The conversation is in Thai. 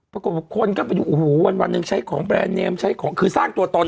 ปรากฏคนก็ไปดูโอ้โหวันหนึ่งใช้ของแบรนด์เนมใช้ของคือสร้างตัวตน